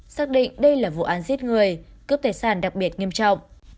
xác định đây là vụ án giết người cướp tài sản đặc biệt nghiêm trọng